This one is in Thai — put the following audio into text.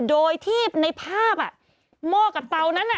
โดยที่ในภาพหม้อกับเตานั้น